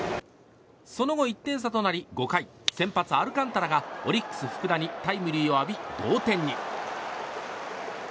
その後、１点差となり５回先発、アルカンタラがオリックス福田にタイムリーを浴び同点に。